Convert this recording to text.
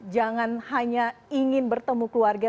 jangan hanya ingin bertemu keluarga